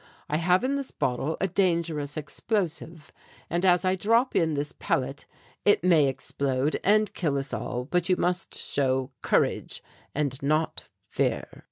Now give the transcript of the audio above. I have in this bottle a dangerous explosive and as I drop in this pellet it may explode and kill us all, but you must show courage and not fear."